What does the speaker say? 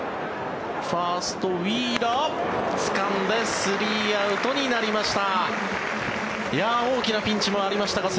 ファースト、ウィーラーつかんで３アウトになりました。